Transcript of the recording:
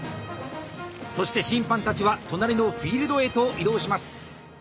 そして審判たちは隣のフィールドへと移動します。